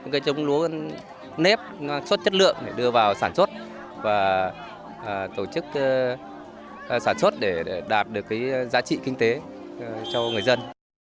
cây trồng lúa nếp xuất chất lượng để đưa vào sản xuất và tổ chức sản xuất để đạt được giá trị kinh tế cho người dân